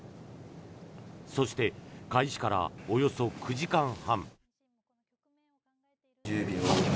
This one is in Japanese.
そして開始からおよそ９時間半。